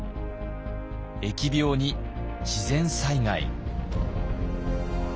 疫病に自然災害。